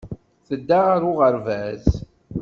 Tedda ɣer uɣerbaz.